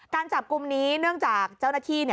การจับกลุ่มนี้เนื่องจากเจ้าหน้าที่